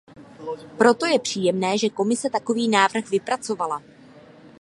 Proto je příjemné, že Komise takový návrh vypracovala.